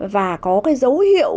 và có cái dấu hiệu